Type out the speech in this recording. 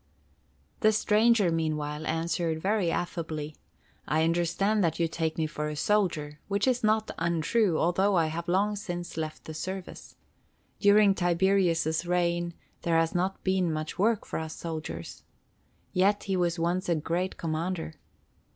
The stranger, meanwhile, answered very affably: "I understand that you take me for a soldier, which is not untrue, although I have long since left the service. During Tiberius' reign there has not been much work for us soldiers. Yet he was once a great commander.